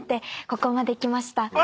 ここまで来ました。